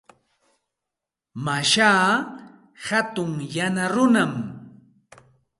Mashaa hatun yana runam.